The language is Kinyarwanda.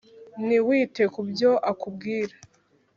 ntiwite kubyo akubwira